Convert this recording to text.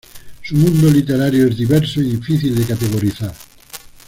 Su mundo literario es diverso y difícil de categorizar.